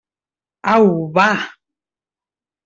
Au, va!